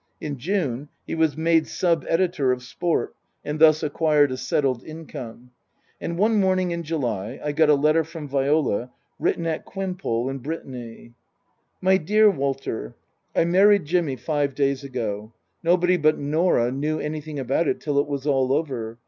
In June he was made sub editor of Sport, and thus acquired a settled income. And one morning in July I got a letter from Viola written at Quimpol in Brittany :" MY DEAR WALTER, " I married Jimmy five days ago. Nobody but Norah knew anything about it till it was all over.